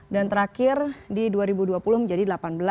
dan terakhir di dua ribu dua puluh menjadi delapan belas tiga belas